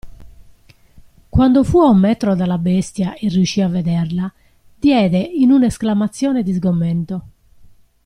Quando fu a un metro dalla bestia e riuscì a vederla, diede in una esclamazione di sgomento.